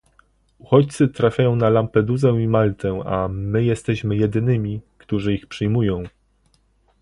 Uchodźcy trafiają na Lampedusę i Maltę, a my jesteśmy jedynymi, którzy ich przyjmują